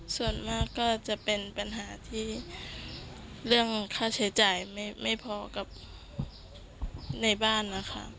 ส่วนมากก็จะเป็นปัญหาที่เรื่องค่าใช้จ่ายไม่พอกับในบ้านนะคะ